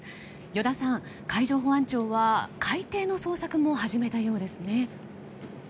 依田さん、海上保安庁は海底の捜索も始めたようですね。